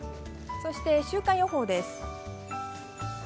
そして週間予報です。